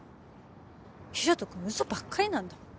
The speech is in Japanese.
広斗君嘘ばっかりなんだもん。